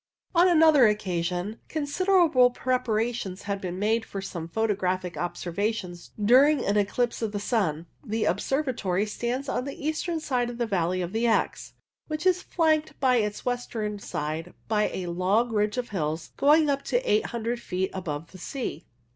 On another occasion considerable preparations had been made for some photographic observations during an eclipse of the sun. The observatory stands on the eastern side of the valley of the Exe, INFLUENCE OF HILLS 131 which is flanked on its western side by a long ridge of hills going up to 800 feet above the sea.